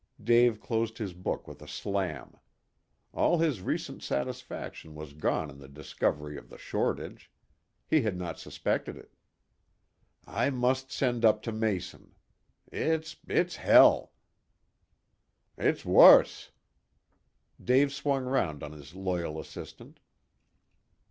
Dave closed his book with a slam. All his recent satisfaction was gone in the discovery of the shortage. He had not suspected it. "I must send up to Mason. It's it's hell!" "It's wuss!" Dave swung round on his loyal assistant.